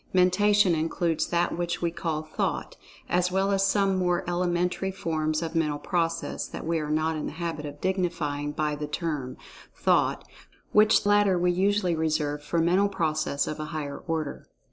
Mentation includes that which we call "Thought," as well as some more elementary forms of mental process that we are not in the habit of dignifying by the term, Thought, which latter we usually reserve for mental process of a higher order.